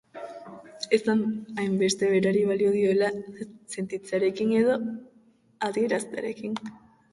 Ez hainbeste, berari balio diola sentitzearekin edo adieraztearekin.